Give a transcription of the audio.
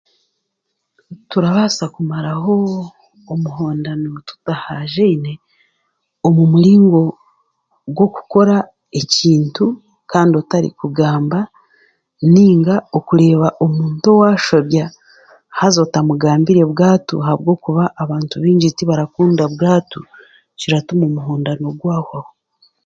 Turabaasa kumaro omuhondano tutahajaine omu muringo gw'okukora ekintu kandi otarikugamba nainga okureeba omuntu owaashobya haza otamugambira bwatu ahabwokuba abantu baingi tibarakunda bwatu kiratuma omuhondano gwahwaho